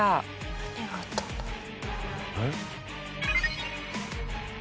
何があったんだろう？